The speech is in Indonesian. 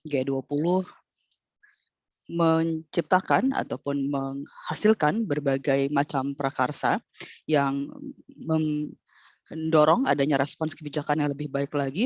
g dua puluh menciptakan ataupun menghasilkan berbagai macam prakarsa yang mendorong adanya respons kebijakan yang lebih baik lagi